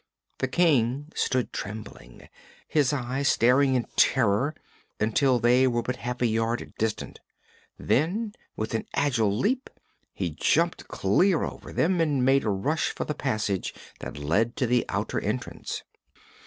The King stood trembling, his eyes staring in terror, until they were but half a yard distant; then with an agile leap he jumped clear over them and made a rush for the passage that led to the outer entrance.